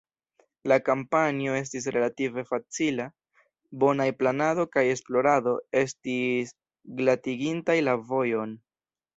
La kampanjo estis relative facila; bonaj planado kaj esplorado estis glatigintaj la vojon.